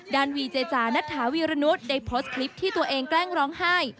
วีเจจานัทธาวีรนุษย์ได้โพสต์คลิปที่ตัวเองแกล้งร้องไห้